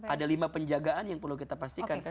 ada lima penjagaan yang perlu kita pastikan